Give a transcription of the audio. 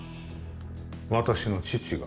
私の父が？